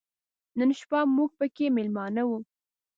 نن شپه موږ پکې مېلمانه و.